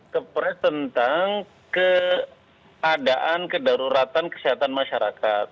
kepres tentang keadaan kedaruratan kesehatan masyarakat